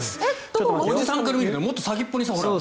おじさんから見るともっと先っぽにしたほうが。